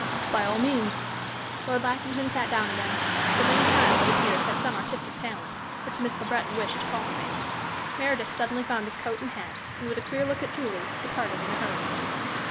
"By all means." Lord Lackington sat down again. The lame child, it appeared, had some artistic talent, which Miss Le Breton wished to cultivate. Meredith suddenly found his coat and hat, and, with a queer look at Julie, departed in a hurry.